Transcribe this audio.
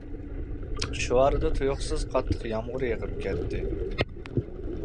شۇ ئارىدا تۇيۇقسىز قاتتىق يامغۇر يېغىپ كەتتى.